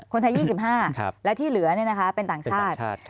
คนไทย๒๕แล้วที่เหลือเนี่ยนะครับเป็นต่างชาติ